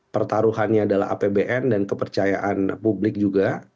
pertaruhannya adalah apbn dan kepercayaan publik juga